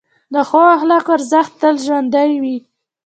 د ښو اخلاقو ارزښت تل ژوندی وي.